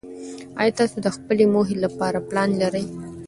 ایا تاسو د خپلې موخې لپاره پلان لرئ؟